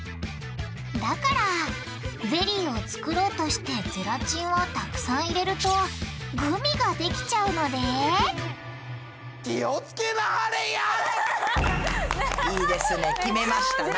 だからゼリーを作ろうとしてゼラチンをたくさん入れるとグミができちゃうのでいいですね決めましたな。